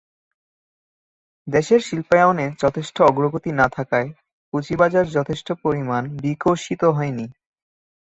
দেশের শিল্পায়নে যথেষ্ট অগ্রগতি না থাকায় পুঁজিবাজার যথেষ্ট পরিমাণ বিকশিত হয়নি।